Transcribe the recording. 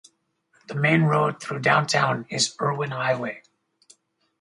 The main road through downtown is Erwin Highway.